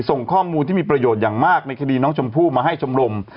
ส่งข้อมูลที่มีประโยชน์อย่างมากในคดีน้องชมพู่มาให้ชมรม